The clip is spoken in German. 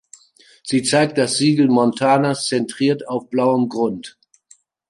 Sie zeigt das Siegel Montanas zentriert auf blauem Grund.